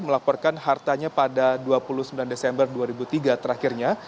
melaporkan hartanya pada dua puluh sembilan desember dua ribu tiga terakhirnya